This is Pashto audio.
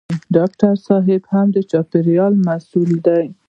ډاکټر صېب هم د چاپېریال محصول دی.